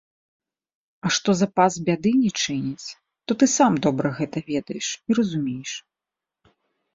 А што запас бяды не чыніць, то ты сам добра гэта ведаеш і разумееш.